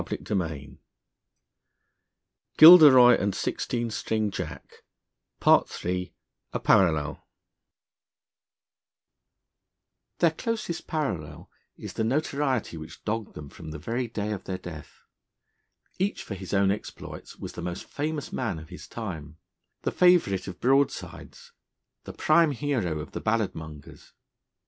III A PARALLEL (GILDEROY AND SIXTEEN STRING JACK) THEIR closest parallel is the notoriety which dogged them from the very day of their death. Each, for his own exploits, was the most famous man of his time, the favourite of broadsides, the prime hero of the ballad mongers.